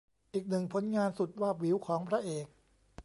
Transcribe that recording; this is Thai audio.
อีกหนึ่งผลงานสุดวาบหวิวของพระเอก